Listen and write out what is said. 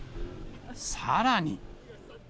さらに。